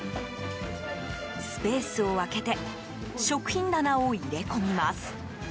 スペースを空けて食品棚を入れ込みます。